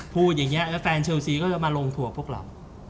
พูดอย่างนี้แล้วแฟนเชลซีก็จะมาลงทัวร์พวกเรา